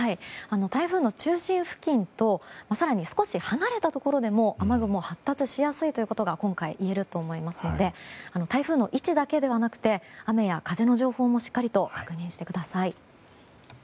台風の中心付近と更に少し離れたところでも雨雲が発達しやすいということが今回いえると思いますので台風の位置だけではなく雨や風の情報もしっかりと確認してください。